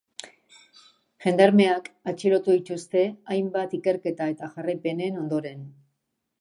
Gendarmeak atxilotu dituzte hainbat ikerketa era jarraipenen ondoren.